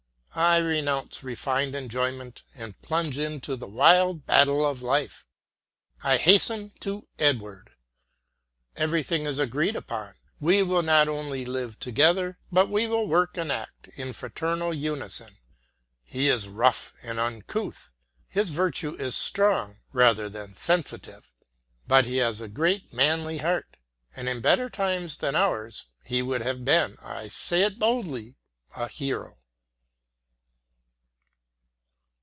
I renounce refined enjoyment and plunge into the wild battle of life. I hasten to Edward. Everything is agreed upon. We will not only live together, but we will work and act in fraternal unison. He is rough and uncouth, his virtue is strong rather than sensitive. But he has a great manly heart, and in better times than ours he would have been, I say it boldly, a hero.